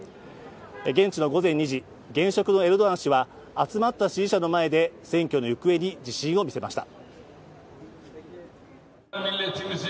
現地の午前２時、現職のエルドアン氏は集まった支持者の前で選挙の行方に自信を見せました。